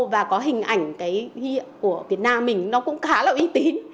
và có hình ảnh cái hiệu của việt nam mình nó cũng khá là uy tín